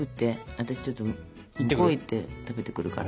私ちょっと向こう行って食べてくるから。